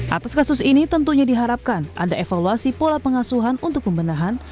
atas kasus ini tentunya diharapkan ada evaluasi pola pengasuhan untuk pembenahan